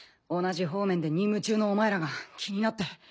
同じ方面で任務中のお前らが気になって。